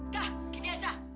dah gini aja